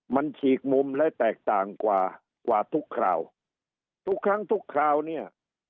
มันฉีกมุมและแตกต่างกว่ากว่าทุกคราวทุกครั้งทุกคราวเนี่ย